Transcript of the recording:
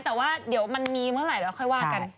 แต่ว่าเดี๋ยวมันมีเมื่อไหร่แล้วค่อยว่ากัน